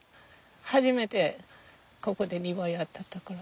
初めてここで庭やったところ。